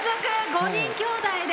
５人きょうだいで。